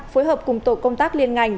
phối hợp cùng tổ công tác liên ngành